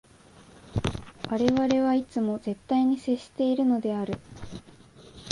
我々はいつも絶対に接しているのである。